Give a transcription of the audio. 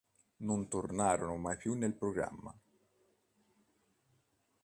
Non tornarono mai più nel programma.